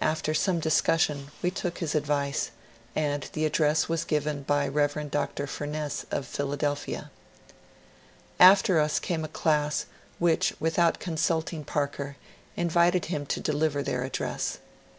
After some discussion we took his advice, and the address was given by Rev. Dr. Fumess of Philadelphia. After us came a class which with out consulting Parker invited him to deliver their address.